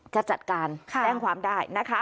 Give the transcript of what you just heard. จะจัดการแจ้งความได้นะคะ